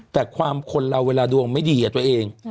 แต่ความคนเราเวลาดวงไม่ดีตัวเอง